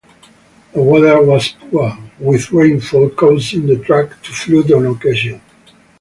The weather was poor, with rainfall causing the track to flood on occasion.